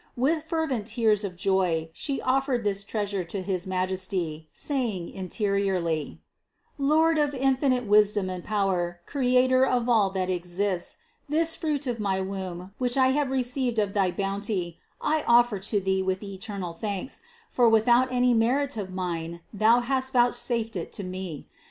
With fervent tears of joy she offered this Treasure to his Majesty, saying interiorly : "Lord of infinite wisdom and power, Creator of all that exists, this Fruit of my womb, which I have received of thy bounty, I offer to Thee with eternal thanks, for without any merit of mine Thou hast vouchsafed it to me.